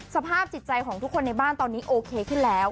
สภาพจิตใจของทุกคนในบ้านตอนนี้โอเคขึ้นแล้ว